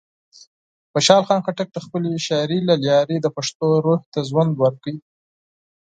خوشحال خان خټک د خپلې شاعرۍ له لارې د پښتنو روحیه ته ژوند ورکړ.